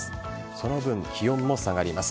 その分、気温も下がります。